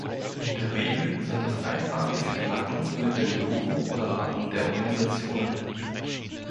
In der Regel sind es einfarbige Flaggen mit dem Logo oder Wappen der Organisationen.